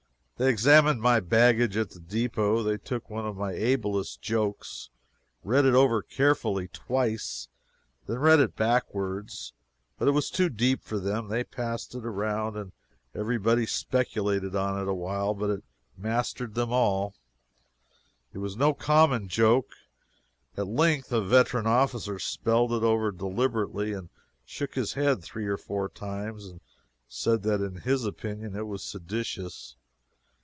They examined my baggage at the depot. They took one of my ablest jokes and read it over carefully twice and then read it backwards. But it was too deep for them. They passed it around, and every body speculated on it awhile, but it mastered them all. It was no common joke. At length a veteran officer spelled it over deliberately and shook his head three or four times and said that in his opinion it was seditious.